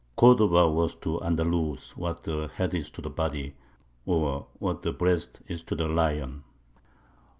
Cordova was to Andalus what the head is to the body, or what the breast is to the lion."